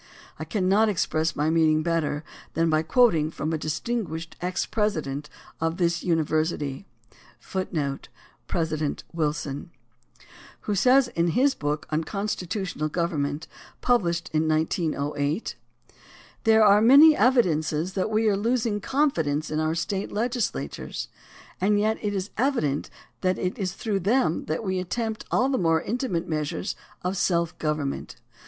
I cannot express my meaning better than by quoting from a distinguished ex president of this university,^ who says * President Wilson. AND THE RECALL OF JUDGES 91 in his book on Constitutional Government, published in 1908: There are many evidences that we are losing confidence in our State legislatures, and yet it is evident that it is through them that we attempt all the more intimate measures of self government.